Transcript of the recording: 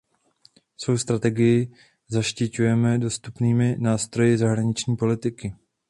Svou strategii zaštiťujeme dostupnými nástroji zahraniční politiky.